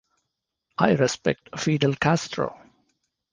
I respect Fidel Castro.